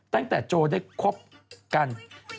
ตั้งแต่โจได้คบกัน